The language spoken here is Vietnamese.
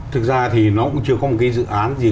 thực ra thì nó cũng chưa có một cái dự án gì